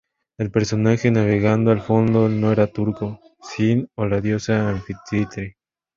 El personaje navegando al fondo no era turco, sino la diosa Anfítrite.